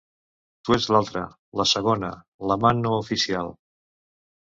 Tu ets l'altra, la segona, l'amant no oficial.